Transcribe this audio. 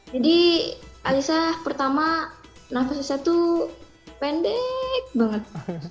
jadi aisyah pertama nafasnya itu pendek banget